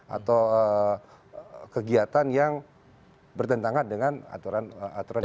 atau kegiatan yang bertentangan dengan aturan aturan yang ada